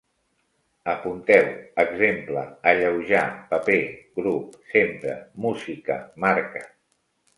Apunteu: exemple, alleujar, paper, grup, sempre, música, marca